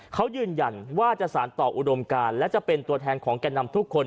เขายืนยันว่าจะสารต่ออุดมการและจะเป็นตัวแทนของแก่นำทุกคน